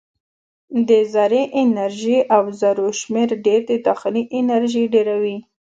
د ذرې انرژي او ذرو شمیر ډېر د داخلي انرژي ډېروي.